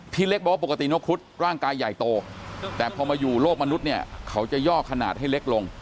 เล็กบอกว่าปกตินกครุฑร่างกายใหญ่โตแต่พอมาอยู่โลกมนุษย์เนี่ยเขาจะย่อขนาดให้เล็กลง